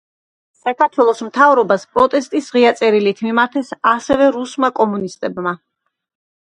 საქართველოს მთავრობას პროტესტის ღია წერილით მიმართეს ასევე რუსმა კომუნისტებმა.